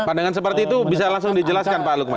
pandangan seperti itu bisa langsung dijelaskan pak lukman